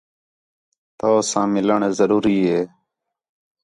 تَؤ ساں مِلّݨ ضروری ہے